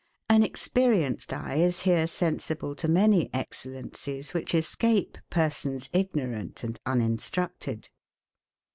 An experienced eye is here sensible to many excellencies, which escape persons ignorant and uninstructed.